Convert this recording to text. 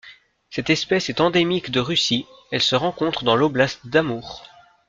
Cette espèce est endémique de Russie, elle se rencontre dans l'oblast d'Amour.